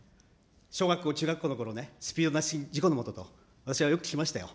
小学校、中学校のころね、スピードの出し過ぎ事故のもとと、私はよく聞きましたよ。